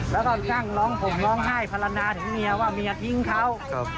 แล้วก็นั่งร้องผมร้องไห้ภาระนาถึงเมียว่าเมียทิ้งเขา